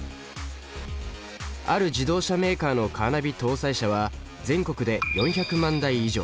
ある自動車メーカーのカーナビ搭載車は全国で４００万台以上。